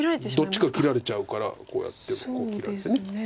どっちか切られちゃうからこうやってもこう切られて。